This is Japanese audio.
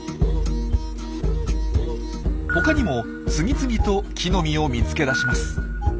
ほかにも次々と木の実を見つけ出します。